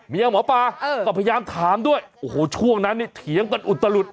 หมอปลาก็พยายามถามด้วยโอ้โหช่วงนั้นนี่เถียงกันอุตลุด